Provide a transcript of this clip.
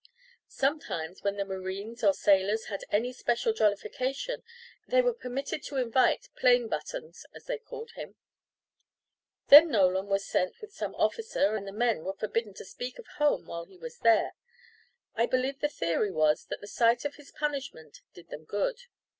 Sometimes, when the marines or sailors had any special jollification, they were permitted to invite "Plain Buttons," as they called him. Then Nolan was sent with some officer, and the men were forbidden to speak of home while he was there. I believe the theory was that the sight of his punishment did them good.